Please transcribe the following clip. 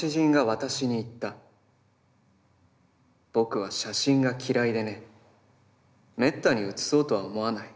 僕は写真が嫌いでね、滅多に写そうとは思わない。